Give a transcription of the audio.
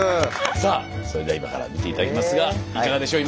さあそれでは今から見て頂きますがいかがでしょう？